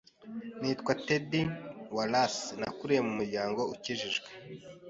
Nitwa Ted Wallace, Nakuriye mu muryango ukijijwe,